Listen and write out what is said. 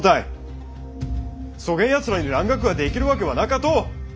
そげんやつらに蘭学ができるわけはなかと！